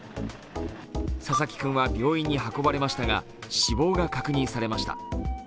佐々木君は病院に運ばれましたが、死亡が確認されました。